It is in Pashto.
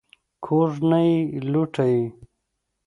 کوږ نه یې لوټه یې.